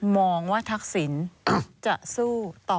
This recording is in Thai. มองว่าทักษิณจะสู้ต่อ